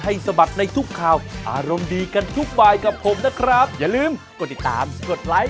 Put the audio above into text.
ให้ฉันเป็นแมวตัวปลอดของเธอถ้าไม่ต้องเหงาฉันอยู่ข้างเธอ